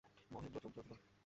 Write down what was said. মহেন্দ্র চমকিয়া উঠিল।